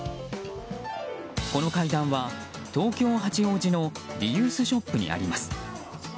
この階段は東京・八王子のリユースショップにあります。